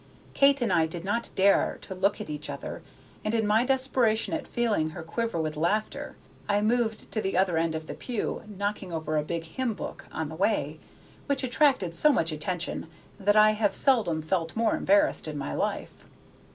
Kate and I did not dare to look at each other, and in my desperation at feeling her quiver with laughter, I moved to the other end of the pew, knocking over a big hymn book on the way, which attracted so much attention that I have seldom felt more embarrassed in my life.